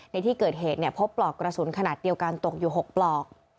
ในที่เกิดเหตุพบปลอกกระสุนขนาดเดียวกันตกอยู่๖ปลอก